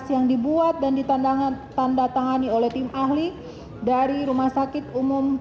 yang dibuat dan ditandatangani oleh tim ahli dari rumah sakit umum pusat